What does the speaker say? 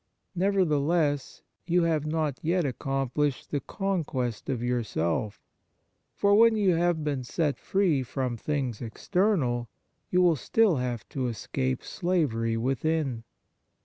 Nevertheless, you have not yet accomplished the conquest of your self. For when you have been set free from things external, you will still have to escape slavery within.